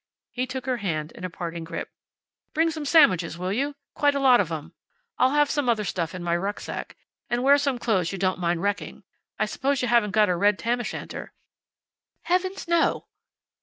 He took her hand in a parting grip. "Bring some sandwiches, will you? Quite a lot of 'em. I'll have some other stuff in my rucksack. And wear some clothes you don't mind wrecking. I suppose you haven't got a red tam o' shanter?" "Heavens, no!"